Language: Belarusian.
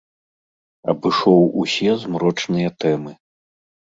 Абышоў усе змрочныя тэмы.